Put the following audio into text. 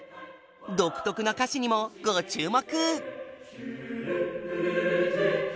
独特な歌詞にもご注目！